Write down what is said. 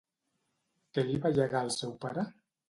Què li va llegar el seu pare?